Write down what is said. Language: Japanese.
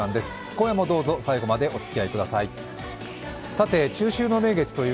今夜もどうぞ最後までお付き合いください。